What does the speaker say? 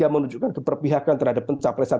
menunjukkan keperpihakan terhadap pencapaian